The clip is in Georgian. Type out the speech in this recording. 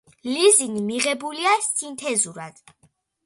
ლიზინი მიღებულია სინთეზურად.